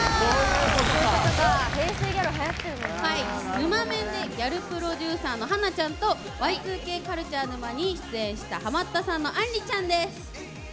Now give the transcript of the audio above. ぬまメンでギャルプロデューサーの華ちゃんとＹ２Ｋカルチャー沼に出演したハマったさんのあんりちゃんです。